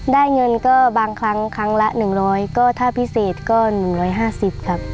ได้เงินก็บางครั้งครั้งละ๑๐๐ก็ถ้าพิเศษก็๑๕๐ครับ